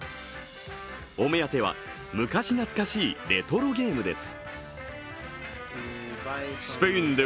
お目当ては、昔懐かしいレトロゲームです。